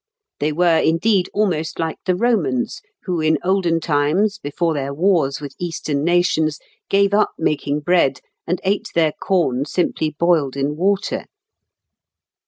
They were indeed almost like the Romans who in olden times, before their wars with eastern nations, gave up making bread, and ate their corn simply boiled in water.